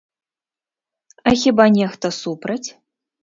А хіба нехта супраць?